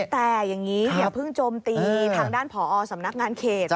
แต่อย่างนี้อย่าเพิ่งโจมตีทางด้านผอสำนักงานเขต